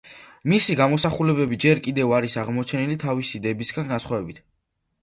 მისი გამოსახულებები ჯერ კიდევ არ არის აღმოჩენილი თავისი დებისაგან განსხვავებით.